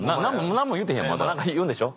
何か言うんでしょ。